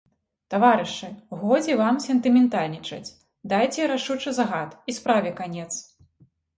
Таварышы, годзе вам сентыментальнічаць, дайце рашучы загад, і справе канец.